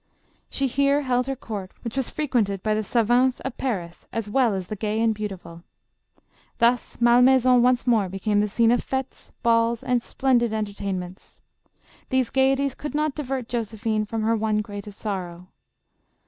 She here held her court, which was frequented by the swans of Paris as well as the gay and beautiful. Thus Malmaison once more became the scene of fetes, balls and splendid entertainments. These gayeties could not divert Josephine from her one great sorrow.